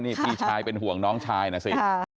นี่พี่ชายเป็นห่วงน้องชายนะสิ